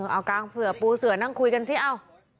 เอากางเผื่อปูเสือนั่งคุยกันสิเอ้า